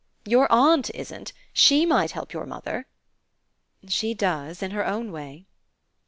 "Your aunt isn't. She might help your mother." "She does in her own way."